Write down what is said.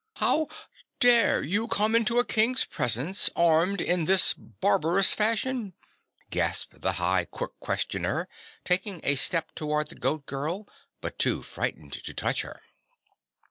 "How DARE you come into a King's presence armed in this barbarous fashion?" gasped the High Qui questioner, taking a step toward the Goat Girl, but too frightened to touch her.